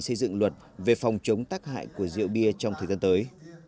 đây là những con số đáng báo động luật về phòng chống tác hại của rượu bia trong thời gian tới